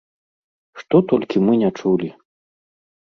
Што толькі мы не чулі!